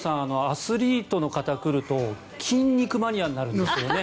アスリートの方が来ると筋肉マニアになるんですよね。